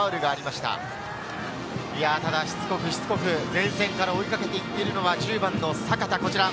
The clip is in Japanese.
ただしつこくしつこく、前線から追い掛けて行っているのは１０番の阪田。